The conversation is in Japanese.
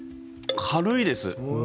軽いです。